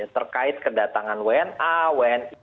terkait kedatangan wna wni